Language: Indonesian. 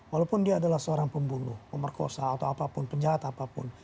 walaupun dia adalah seorang pembunuh pemerkosa atau apapun penjahat apapun